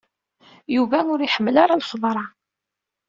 Yuba ur iḥemmel ara lxeḍra.